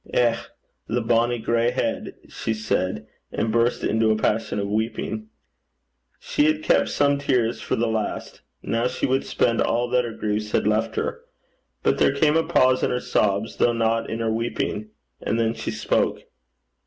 'Eh! the bonnie gray heid!' she said, and burst into a passion of weeping. She had kept some tears for the last. Now she would spend all that her griefs had left her. But there came a pause in her sobs, though not in her weeping, and then she spoke.